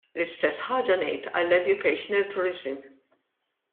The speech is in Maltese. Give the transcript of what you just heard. L-istess ħaġa ngħid għall-educational tourism.